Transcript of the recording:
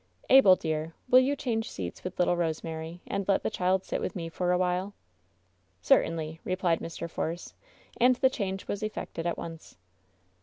"Abel, dear, will you change seats .^th little Rose mary, and let the child sit with me for a while?" "Certainly, replied Mr. Force, and the change was effected at once.